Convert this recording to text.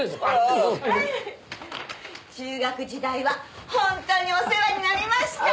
中学時代はほんとにお世話になりました。